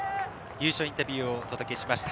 優勝インタビューをお届けしました。